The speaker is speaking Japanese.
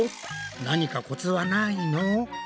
何かコツはないの？